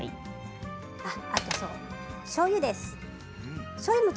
あと、しょうゆです。